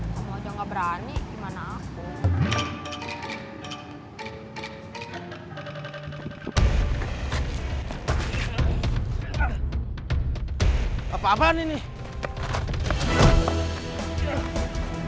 kamu aja gak berani gimana aku